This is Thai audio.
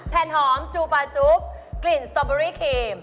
หอมจูปาจุ๊บกลิ่นสตอเบอรี่ครีม